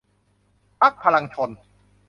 พรรคพลังชล